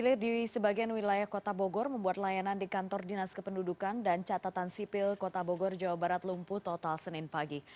kulit di sebagian wilayah kota bogor membuat layanan di kantor dinas kependudukan dan catatan sipil kota bogor jawa barat lumpuh total senin pagi